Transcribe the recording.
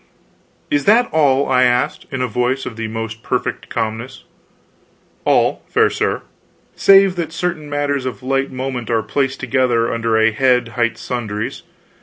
"Is that all?" I asked, in a voice of the most perfect calmness. "All, fair sir, save that certain matters of light moment are placed together under a head hight sundries.